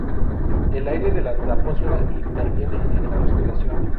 El aire de la troposfera interviene en la respiración.